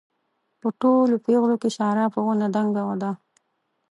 په ټولو پېغلو کې ساره په ونه دنګه ده.